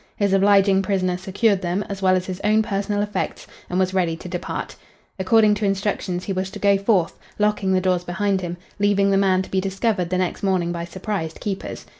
His obliging prisoner secured them, as well as his own personal effects, and was ready to depart. According to instructions he was to go forth, locking the doors behind him, leaving the man to be discovered the next morning by surprised keepers.